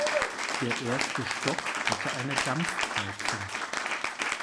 Der erste Stock hatte eine Dampfheizung.